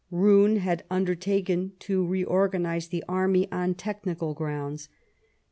Roon had undertaken to reorganize the army on technical grounds.